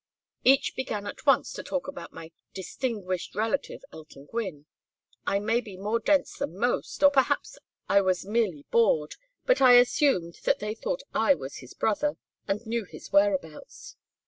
"Each began at once to talk about my 'distinguished relative, Elton Gwynne.' I may be more dense than most, or perhaps I was merely bored, but I assumed that they thought I was his brother and knew his whereabouts.